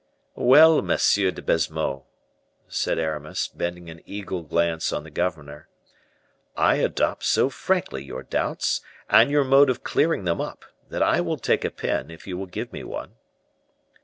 "Well, Monsieur de Baisemeaux," said Aramis, bending an eagle glance on the governor, "I adopt so frankly your doubts, and your mode of clearing them up, that I will take a pen, if you will give me one."